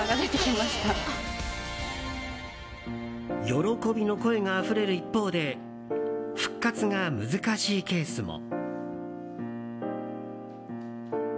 喜びの声があふれる一方で復活が難しいケースも。